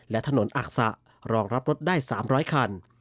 และถนนอักษะรองรับรถได้๓๐๐คัน